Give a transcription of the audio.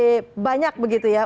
ide banyak begitu ya